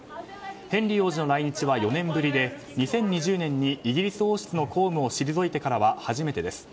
ヘンリー王子の来日は４年ぶりで２０２０年にイギリス王室の公務を退いてからは初めてです。